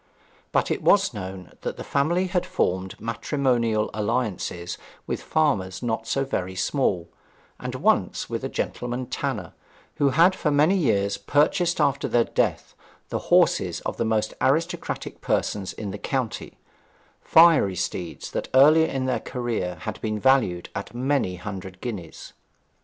But it was known that the family had formed matrimonial alliances with farmers not so very small, and once with a gentleman tanner, who had for many years purchased after their death the horses of the most aristocratic persons in the county fiery steeds that earlier in their career had been valued at many hundred guineas.